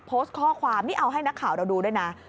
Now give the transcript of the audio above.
โพสต์ข้อความนี่เอาให้นักข่าวเราดูด้วยนะ